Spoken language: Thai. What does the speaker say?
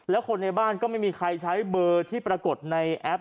แล้วคนในบ้านก็ไม่มีใครใช้เบอร์ที่ปรากฏในแอป